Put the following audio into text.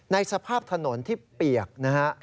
สภาพถนนที่เปียกนะฮะ